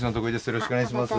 よろしくお願いします。